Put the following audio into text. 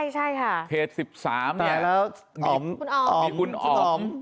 ใช่ค่ะเกต๑๓เนี่ยมีคุณอ๋อม